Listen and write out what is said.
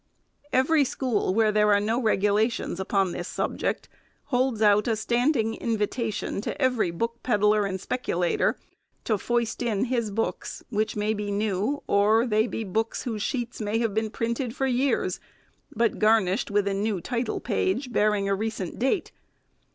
Every school, where there are no regulations upon this subject, holds out a standing invitation to every book peddler and speculator, to foist in his books, which may be new, or they be books whose sheets may have been printed for years, but garnished with a new title page bearing a recent date.